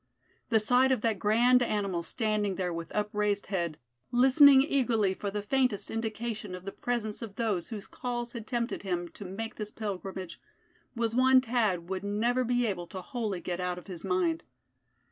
The sight of that grand animal standing there with upraised head, listening eagerly for the faintest indication of the presence of those whose calls had tempted him to make this pilgrimage, was one Thad would never be able to wholly get out of his mind.